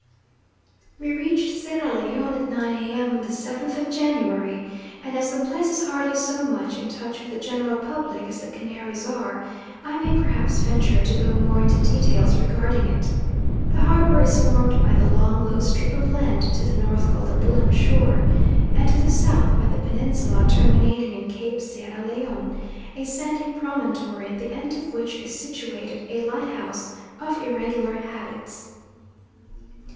We reached Sierra Leone at 9 A.M. on the 7th of January, and as the place is hardly so much in touch with the general public as the Canaries are I may perhaps venture to go more into details regarding it. The harbour is formed by the long low strip of land to the north called the Bullam shore, and to the south by the peninsula terminating in Cape Sierra Leone, a sandy promontory at the end of which is situated a lighthouse of irregular habits.